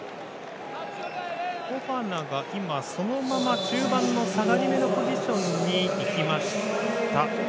フォファナがそのまま中盤の下がりめのポジションに行きました。